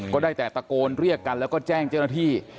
ก็ได้แต่ตะโกนเรียกกันและก็แจ้งเจจันทรศิษย์